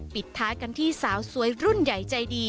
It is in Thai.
ปิดท้ายกันที่สาวสวยรุ่นใหญ่ใจดี